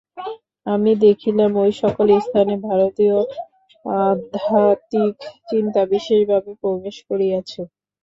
আমি দেখিলাম, ঐ-সকল স্থানে ভারতীয় আধ্যাত্মিক চিন্তা বিশেষভাবে প্রবেশ করিয়াছে।